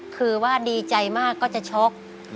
คือว่าดีใจมากก็จะช็อก